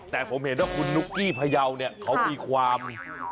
แต่ผมเห็นว่าคุณนุกกี้พยาวเขาก็มีความ